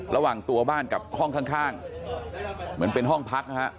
ระหว่างตัวบ้านกับห้องข้างเหมือนเป็นห้องพักฮะ